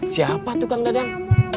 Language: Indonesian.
siapa tuh kang dadang